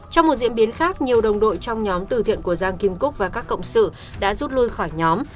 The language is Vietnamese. trong một diễn biến khác nhiều đồng đội trong nhóm từ thiện của giang kim cúc và các cộng sự đã rút lui khỏi nhóm